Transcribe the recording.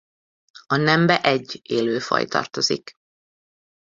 A nembe egy élő faj tartozik.